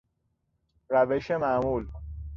روش معمول